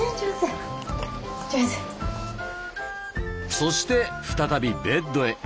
そして再びベッドへ。